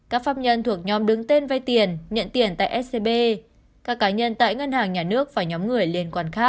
các pháp nhân thuộc nhóm đứng tên vay tiền nhận tiền tại scb các cá nhân tại ngân hàng nhà nước và nhóm người liên quan khác